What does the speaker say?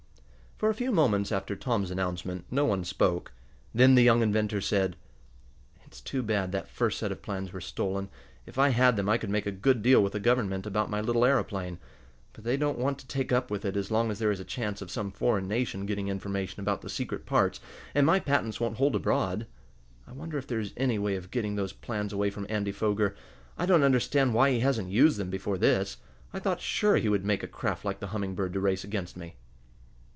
For a few moments after Tom's announcement no one spoke, then the young inventor said: "It's too bad that first set of plans were stolen. If I had them I could make a good deal with the Government about my little aeroplane. But they don't want to take up with it as long as there is a chance of some foreign nation getting information about the secret parts, and my patents won't hold abroad. I wonder if there is any way of getting those plans away from Andy Foger? I don't understand why he hasn't used them before this. I thought sure he would make a craft like the Humming Bird to race against me."